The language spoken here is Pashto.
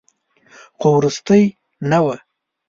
خو وروستۍ نه وه.